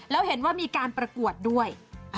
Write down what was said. แล้วเห็นว่ามีการประกวดด้วย